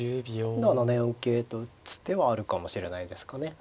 今度は７四桂と打つ手はあるかもしれないですかね。